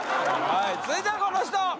はい続いてはこの人！